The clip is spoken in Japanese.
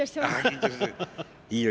いいよ